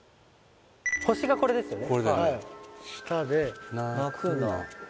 星がこれですよね？